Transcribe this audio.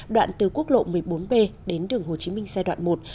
đoạn từ quốc lộ một mươi bốn b đến đường hồ chí minh xe đoạn một